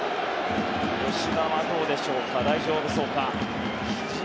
吉田はどうでしょうか大丈夫そうか。